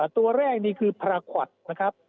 ตัวแรกนี้คือพระขวัดนะครับ